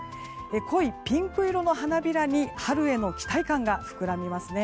濃いピンク色の花びらに春への期待感が膨らみますね。